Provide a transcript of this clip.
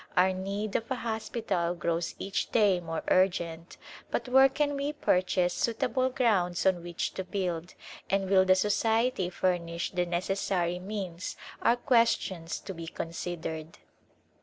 Our need of a hospital grows each day more urgent, but where can we purchase suitable grounds on which to build, and will the Society furnish the necessary means, are questions to be considered.